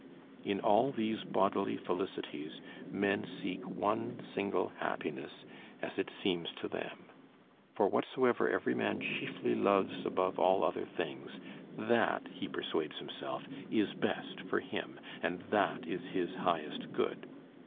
In all these bodily felicities men seek one single happiness, as it seems to them. For whatsoever every man chiefly loves above all other things, that, he persuades himself, is best for him, and that is his highest good.